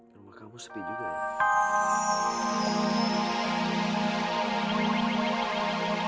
rumah kamu sepi juga